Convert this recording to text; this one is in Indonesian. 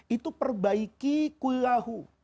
itu perbaiki kullahu